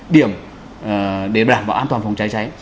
điểm để đảm bảo an toàn phòng cháy cháy